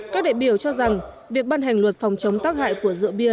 các đại biểu cho rằng việc ban hành luật phòng chống tác hại của rượu bia